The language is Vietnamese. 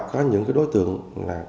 có những cái đối tượng là